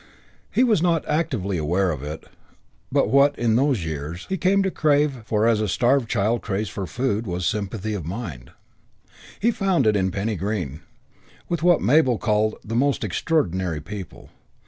He was not actively aware of it, but what, in those years, he came to crave for as a starved child craves for food was sympathy of mind. He found it, in Penny Green, with what Mabel called "the most extraordinary people."